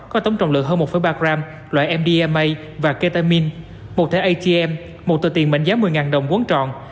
có tống trọng lượng hơn một ba gram loại mdma và ketamin một thể atm một tờ tiền mệnh giá một mươi đồng quấn tròn